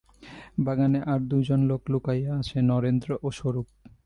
বাগানে আর দুইজন লোক লুকাইয়া আছে, নরেন্দ্র ও স্বরূপ।